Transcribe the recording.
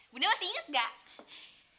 bunda masih inget gak